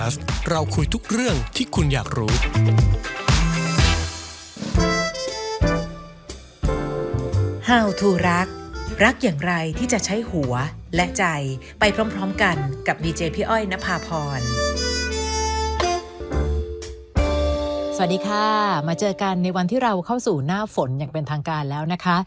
สวัสดีค่ะมาเจอกันในวันที่เราเข้าสู่หน้าฝนอย่างเป็นทางการแล้วนะคะ